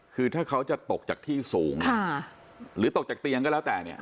คือถ้าเขาจะตกจากที่สูงหรือตกจากเตียงก็แล้วแต่เนี่ย